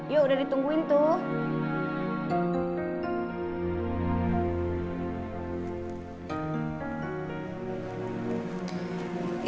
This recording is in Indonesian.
yuk udah ditungguin tuh